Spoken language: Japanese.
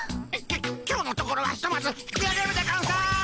今日のところはひとまず引きあげるでゴンス。